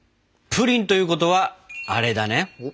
プリンということはアレだね！